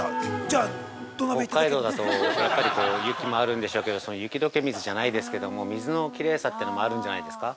◆北海道だと、やっぱり雪もあるんでしょうけど雪解け水じゃないですけども水のきれいさってのもあるんじゃないですか。